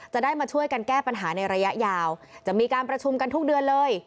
จะได้มาช่วยกันแก้ปัญหาในระยะยาวจะมีการประชุมกันทุกเดือนเลย